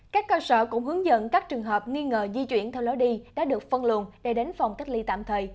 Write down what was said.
các cơ sở cũng hướng dẫn các trường hợp nghi ngờ di chuyển theo lối đi đã được phân luồn để đến phòng cách ly tạm thời